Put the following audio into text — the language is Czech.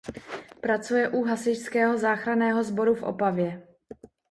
Pracuje u Hasičského záchranného sboru v Opavě.